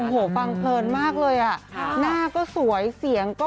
หนูก็ไม่ได้ส่งให้พ่อดูใช่ไหมค่ะ